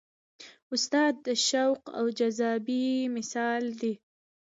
استاد د شوق او جذبې مثال دی.